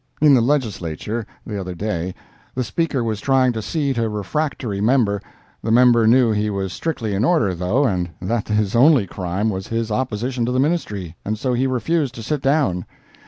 In the Legislature, the other day, the Speaker was trying to seat a refractory member; the member knew he was strictly in order, though, and that his only crime was his opposition to the Ministry, and so he refused to sit down.